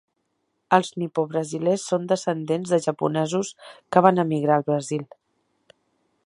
Els nipobrasilers són descendents de japonesos que van emigrar al Brasil.